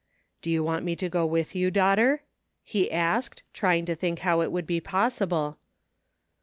" You will want me to go with you, daughter ?" he asked, trying to think how it would be possible.